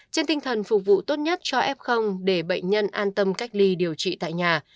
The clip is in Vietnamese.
trên tinh thần phục vụ tốt nhất cho f để bệnh nhân an tâm cách ly điều trị tại nhà